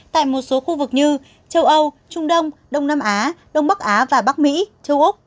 tại một số khu vực như châu âu trung đông đông nam á đông bắc á và bắc mỹ châu úc